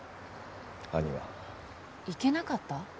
兄は行けなかった？